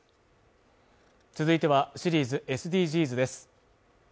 続いては、シリーズ「ＳＤＧｓ」です。